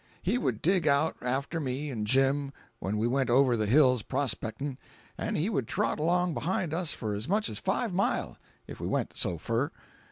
"He would dig out after me an' Jim when we went over the hills prospect'n', and he would trot along behind us for as much as five mile, if we went so fur.